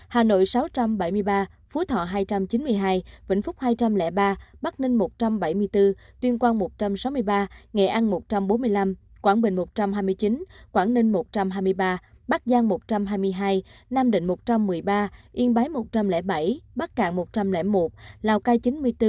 hà nội sáu trăm bảy mươi ba phú thọ hai trăm chín mươi hai vĩnh phúc hai trăm linh ba bắc ninh một trăm bảy mươi bốn tuyên quang một trăm sáu mươi ba nghệ an một trăm bốn mươi năm quảng bình một trăm hai mươi chín quảng ninh một trăm hai mươi ba bắc giang một trăm hai mươi hai nam định một trăm một mươi ba yên bái một trăm linh bảy bắc cạn một trăm linh một lào cai chín mươi bốn